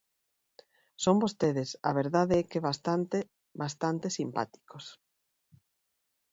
Son vostedes, a verdade é que bastante, bastante simpáticos.